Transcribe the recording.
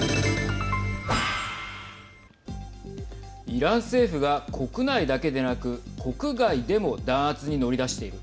イラン政府が、国内だけでなく国外でも弾圧に乗り出している。